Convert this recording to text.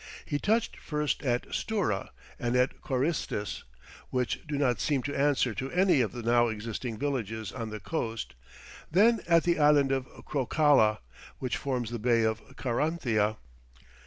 He touched first at Stura and at Corestis, which do not seem to answer to any of the now existing villages on the coast; then at the Island of Crocala, which forms the bay of Caranthia.